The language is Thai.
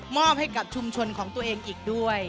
อบให้กับชุมชนของตัวเองอีกด้วย